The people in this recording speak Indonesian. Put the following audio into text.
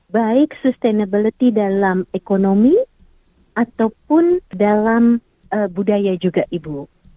baik sustainability dalam ekonomi ataupun dalam budaya juga ibu